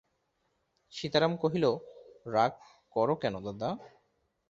সীতারাম কহিল, রাগ কর কেন দাদা?